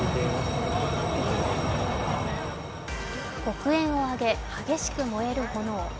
黒煙を上げ激しく燃える炎。